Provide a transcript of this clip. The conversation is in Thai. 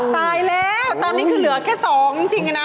ตายแล้วตอนนี้คือเหลือแค่๒จริงนะ